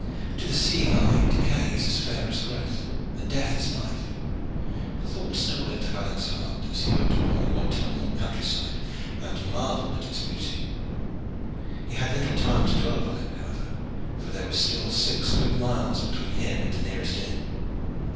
To the seeing eye decay is as fair as growth, and death as life. The thought stole into Alleyne's heart as he looked upon the autumnal country side and marvelled at its beauty. He had little time to dwell upon it however, for there were still six good miles between him and the nearest inn.